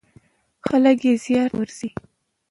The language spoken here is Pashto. خلک یې زیارت ته ورځي.